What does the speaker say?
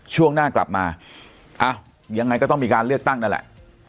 ช่วงหน้ากลับมาอ้าวยังไงก็ต้องมีการเลือกตั้งนั่นแหละ